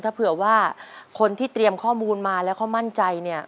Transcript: ถ้าเผื่อว่าคนที่เตรียมข้อมูลมาแล้วเขามั่นใจเนี่ย